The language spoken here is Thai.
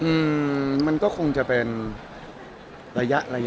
เขาไม่มีเข้าใจผิดไหมครับ